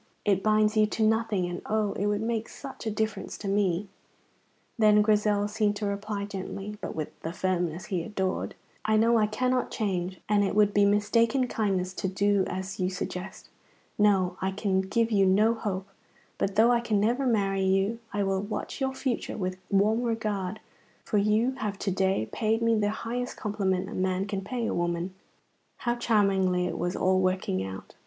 It binds you to nothing, and oh, it would make such a difference to me." Then Grizel seemed to reply gently, but with the firmness he adored: "I know I cannot change, and it would be mistaken kindness to do as you suggest. No, I can give you no hope; but though I can never marry you, I will watch your future with warm regard, for you have to day paid me the highest compliment a man can pay a woman." (How charmingly it was all working out!)